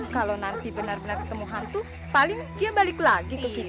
kalo nanti bener bener ketemu hantu paling dia balik lagi ke kita